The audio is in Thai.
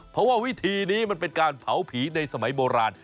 เพราะว่าวิธีนี้มันเป็นการเผาผีในสมัยโบราณ